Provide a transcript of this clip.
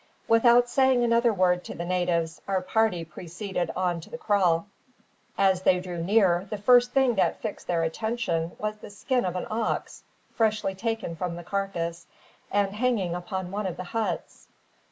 Without saying another word to the natives, our party preceded on to the kraal. As they drew near, the first thing that fixed their attention was the skin of an ox freshly taken from the carcass, and hanging upon one of the huts.